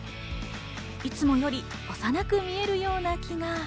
いつもより幼く見えるような気が。